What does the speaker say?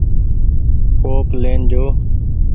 ڪوپ لين جو ۔